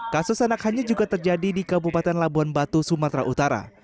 kasus anak hanyut juga terjadi di kabupaten labuan batu sumatera utara